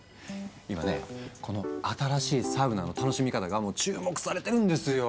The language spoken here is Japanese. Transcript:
今ねこの新しいサウナの楽しみ方が注目されてるんですよ。